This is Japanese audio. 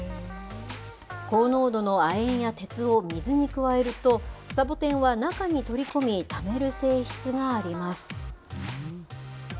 高濃度の亜鉛や鉄を水に加えると、サボテンは中に取り込み、ためる性質があります。